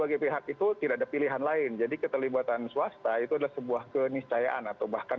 sebagai pihak itu tidak ada pilihan lain jadi keterlibatan swasta itu adalah sebuah keniscayaan atau bahkan